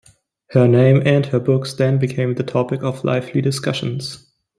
Her name and her books then became the topic of lively discussions.